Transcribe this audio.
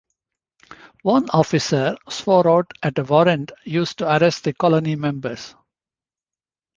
One officer swore out a warrant used to arrest the colony members.